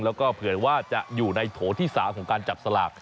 แล้วก็เผื่อว่าจะอยู่ในโถที่๓ของการจับสลาก